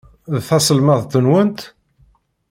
D taselmadt-nwent?